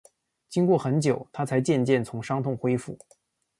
经过很久，她才渐渐从伤痛恢复